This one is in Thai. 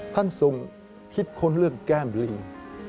ท่านทรงคิดค้นเรื่องแก้มลิง